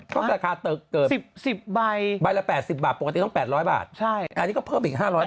ก็ราคาตึกเกิน๑๐ใบใบละ๘๐บาทปกติต้อง๘๐๐บาทอันนี้ก็เพิ่มอีก๕๐๐